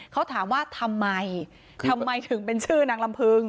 เขาถามว่าทำไมทำไมถึงเป็นชื่อนางลำพึง